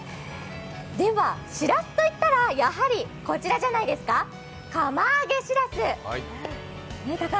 ではしらすといったら、やはりこちらじゃないですか、釜揚げしらす。